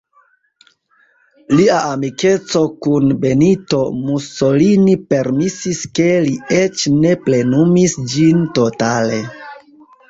Lia amikeco kun Benito Mussolini permesis, ke li eĉ ne plenumis ĝin totale.